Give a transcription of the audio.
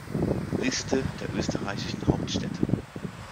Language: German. Liste der österreichischen Hauptstädte